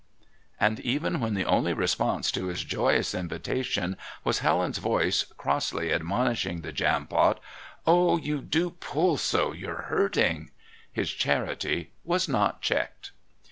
And even when the only response to his joyous invitation was Helen's voice crossly admonishing the Jampot: "Oh, you do pull so; you're hurting!" his charity was not checked.